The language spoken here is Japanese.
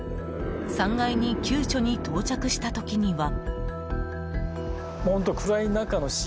３階に救助に到着した時には。